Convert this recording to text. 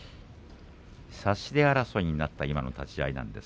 差し手争いになった今の立ち合いです。